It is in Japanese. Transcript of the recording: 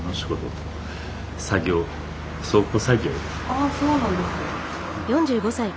あっそうなんですね。